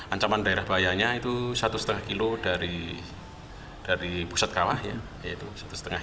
ancaman daerah bahayanya itu satu lima kilo dari pusat kawah ya